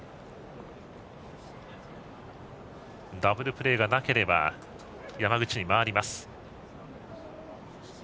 ダブルプレーがなければ山口に回ります。